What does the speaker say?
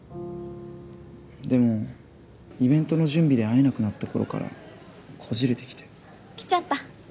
でもイベントの準備で会えなくなった頃からこじれてきて。来ちゃった。